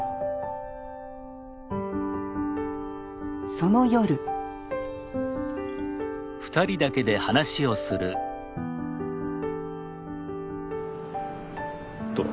その夜どう？